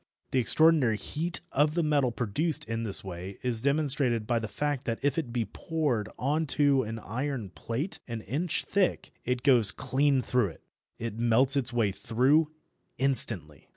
The extraordinary heat of the metal produced in this way is demonstrated by the fact that if it be poured on to an iron plate an inch thick it goes clean through it. It melts its way through instantly.